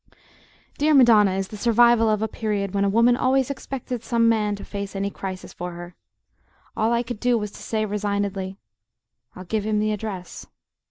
Dear Madonna is the survival of a period when a woman always expected some man to face any crisis for her. All I could do was to say, resignedly: "I'll give him the address."